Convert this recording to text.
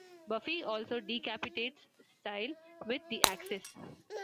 Buffy also decapitates Cecile with the axes.